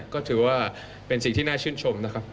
ก็ถือว่าเป็นสิ่งที่น่าชื่นชมนะครับ